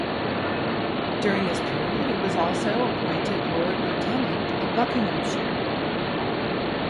During this period, he was also appointed Lord Lieutenant of Buckinghamshire.